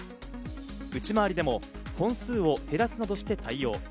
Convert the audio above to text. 内回りでも本数を減らすなどして対応。